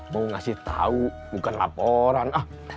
mau ngasih tau bukan laporan